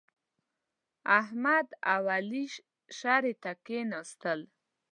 احمد او علي شرعې ته کېناستل.